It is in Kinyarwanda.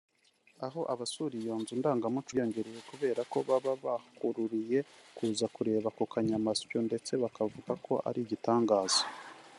Aho abasura iyo nzu ndangamuco biyongereye kuberako baba bahururiye kuza kureba aka kanyamasyo ndetse bakavuga ko ari igitangaza